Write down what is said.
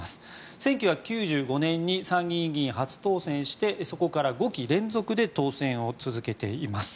１９９５年に参議院議員に初当選してそこから５期連続で当選を続けています。